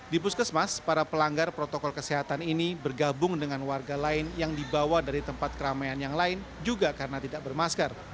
di puskesmas para pelanggar protokol kesehatan ini bergabung dengan warga lain yang dibawa dari tempat keramaian yang lain juga karena tidak bermasker